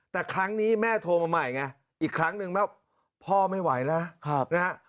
แต่ครั้งนี้แม่โทรมาใหม่ไงอีกครั้งนึงว่าพ่อไม่ไหวแล้วนะฮะ